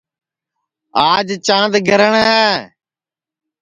آج چاند گرہٹؔ ہے